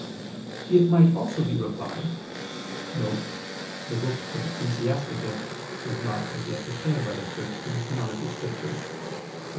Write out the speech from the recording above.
It might also be replied [*The Book of Ecclesiasticus was not as yet declared by the Church to be Canonical Scripture; Cf.